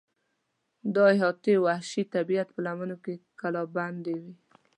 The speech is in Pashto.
دا احاطې د وحشي طبیعت په لمنو کې کلابندې وې.